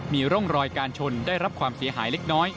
มีร่องรอยการชนได้รับความเสียหายเล็กน้อย